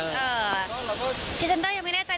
เออพี่เซนเตอร์ยังไม่แน่ใจ